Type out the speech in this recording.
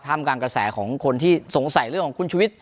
กลางกระแสของคนที่สงสัยเรื่องของคุณชุวิต